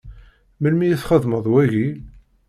Melmi i txedmeḍ wagi?